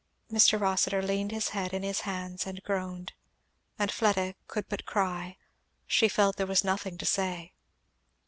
Mr. Rossitur leaned his head in his hands and groaned; and Fleda could but cry; she felt there was nothing to say.